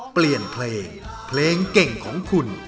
เปลี่ยนเพลงเพลงเก่งของคุณ